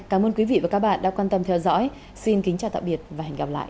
cảm ơn quý vị và các bạn đã quan tâm theo dõi xin kính chào tạm biệt và hẹn gặp lại